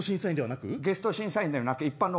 ゲスト審査員ではなく。